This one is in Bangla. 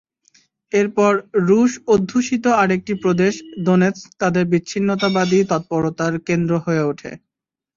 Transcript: এরপর রুশ-অধ্যুষিত আরেকটি প্রদেশ দোনেৎস্ক তাদের বিচ্ছিন্নতাবাদী তৎপরতার কেন্দ্র হয়ে ওঠে।